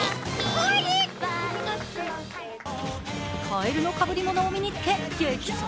カエルのかぶりものを身に着け、激走。